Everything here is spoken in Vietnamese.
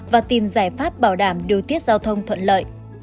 và tìm giải pháp bảo đảm điều tiết giao thông thuận lợi